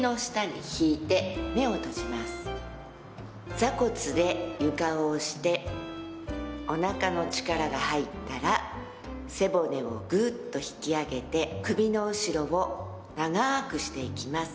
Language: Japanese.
座骨で床を押しておなかの力が入ったら背骨をグッーっと引き上げて首の後ろを長くしていきます。